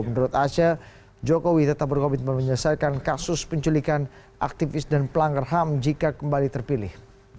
menurut aceh jokowi tetap berkomitmen menyelesaikan kasus penculikan aktivis dan pelanggar ham jika kembali terpilih